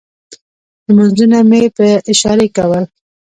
لمونځونه مې په اشارې کول.